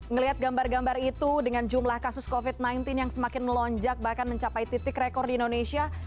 ngelihat gambar gambar itu dengan jumlah kasus covid sembilan belas yang semakin melonjak bahkan mencapai titik rekor di indonesia